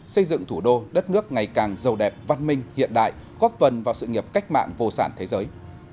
xây dựng thủ đô đất nước ngày càng giàu đẹp văn minh hiện đại góp phần vào sự nghiệp cách mạng vô sản thế giới